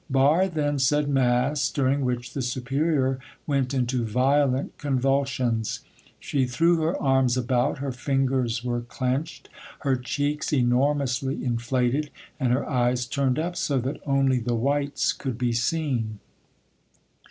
Barre then said mass, during which the superior went into violent convulsions. She threw her arms about, her fingers were clenched, her cheeks enormously inflated, and her eyes turned up so that only the whites could be seen.